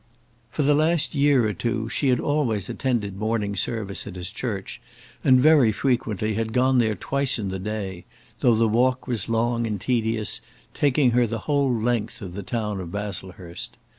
For the last year or two she had always attended morning service at his church, and very frequently had gone there twice in the day, though the walk was long and tedious, taking her the whole length of the town of Baslehurst.